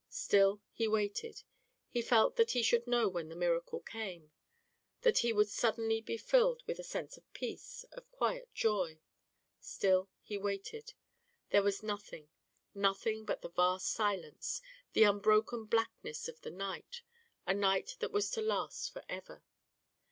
Still he waited; he felt that he should know when the miracle came, that he would suddenly be filled with a sense of peace, of quiet joy. Still he waited there was nothing, nothing but the vast silence, the unbroken blackness of the night, a night that was to last forever.